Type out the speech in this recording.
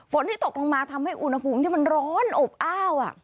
ที่ตกลงมาทำให้อุณหภูมิที่มันร้อนอบอ้าว